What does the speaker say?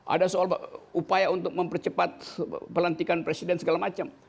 ada soal upaya untuk mempercepat pelantikan presiden segala macam